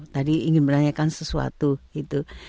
tadi ingin menanyakan sesuatu gitu